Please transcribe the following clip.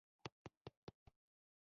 برېښنا د تولید بېلابېل سرچینې لري.